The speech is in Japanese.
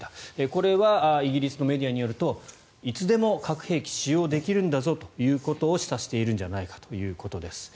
これはイギリスのメディアによるといつでも核兵器を使用できるんだぞということを示唆しているんじゃないかということです。